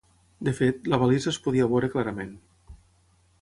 De fet, la balisa es podia veure clarament.